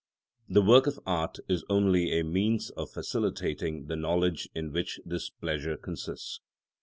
The work of art is only a means of facilitating the knowledge in which this pleasure consists.